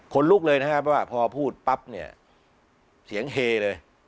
ลุกเลยนะครับเพราะว่าพอพูดปั๊บเนี่ยเสียงเฮเลย